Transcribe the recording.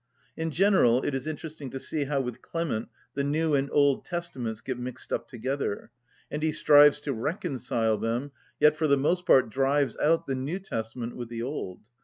In general it is interesting to see how with Clement the New and the Old Testament get mixed up together; and he strives to reconcile them, yet for the most part drives out the New Testament with the Old.